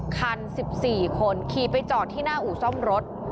คัน๑๔คนขี่ไปจอดที่หน้าอู่ซ่อมรถ